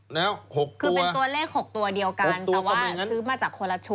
คือเป็นตัวเลข๖ตัวเดียวกันแต่ว่าซื้อมาจากคนละชุด